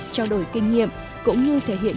trao đổi kinh nghiệm cũng như thể hiện